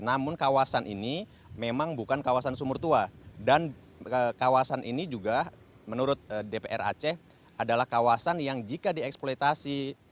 namun kawasan ini seperti di tempat lain itu sumur tua yang ditinggalkan pertamina sudah boleh dilakukan eksplorasi